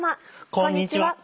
こんにちは。